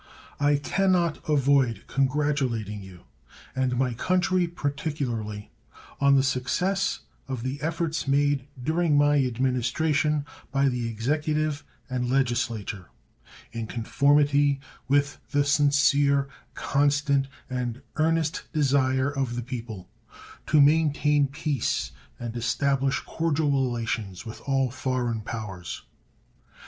I can not avoid congratulating you, and my country particularly, on the success of the efforts made during my Administration by the Executive and Legislature, in conformity with the sincere, constant, and earnest desire of the people, to maintain peace and establish cordial relations with all foreign powers.